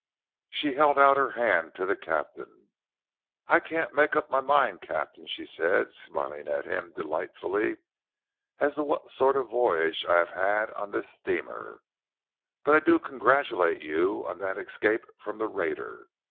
She held out her hand to the captain. "I can't make up my mind, Captain," she said, smiling at him delightfully, "as to what sort of a voyage I have had on this steamer, but I do congratulate you on that escape from the raider.